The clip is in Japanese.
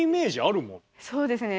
そうですね。